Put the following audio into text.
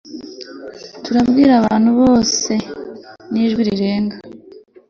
turabwira abantu bose n'ijwi rirenga